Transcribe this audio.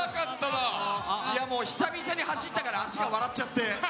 久々に走ったから足が笑っちゃって。